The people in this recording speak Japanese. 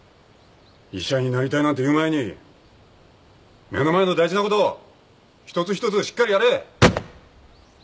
医者になりたいなんて言う前に目の前の大事なことを一つ一つしっかりやれ。